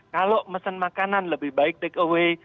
kalau mesen makanan lebih baik take away